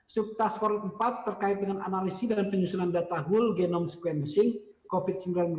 sub task force empat terkait dengan analisi dan penyusunan data whole genome sequencing covid sembilan belas